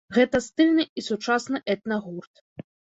Гэта стыльны і сучасны этна-гурт.